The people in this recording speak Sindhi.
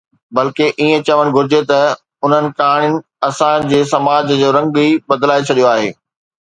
بلڪه ائين چوڻ گهرجي ته انهن ڪهاڻين اسان جي سماج جو رنگ ئي بدلائي ڇڏيو آهي